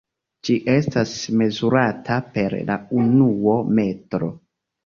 Ĝi estas mezurata per la unuo metro.